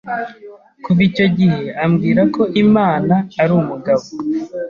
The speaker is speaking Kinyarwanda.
kuva icyo gihe ambwira ko Imana ari umugabo